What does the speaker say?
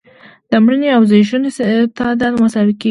د مړینې او زیږون تعداد مساوي کیږي.